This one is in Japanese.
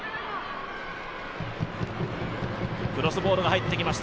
クロスボールが入ってきました